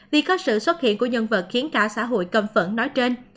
vì có sự xuất hiện của nhân vật khiến cả xã hội cầm phẫn nói trên